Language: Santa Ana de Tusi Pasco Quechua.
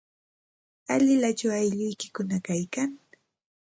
¿Alilachu aylluykikuna kaykan?